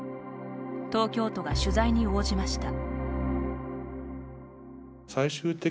東京都が取材に応じました。